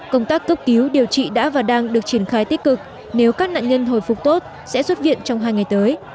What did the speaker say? công tác cấp cứu điều trị đã và đang được triển khai tích cực nếu các nạn nhân hồi phục tốt sẽ xuất viện trong hai ngày tới